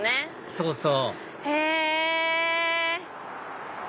そうそうへぇ！